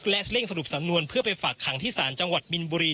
และเร่งสรุปสำนวนเพื่อไปฝากขังที่ศาลจังหวัดมินบุรี